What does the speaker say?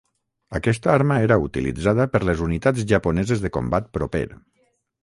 Aquesta arma era utilitzada per les Unitats Japoneses de Combat Proper.